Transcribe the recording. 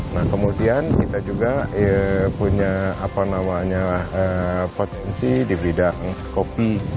nah kemudian kita juga punya potensi di bidang kopi